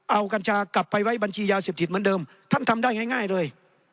เอากัญชากลับไปไว้บัญชียาเสพติดเหมือนเดิมท่านทำได้ง่ายเลย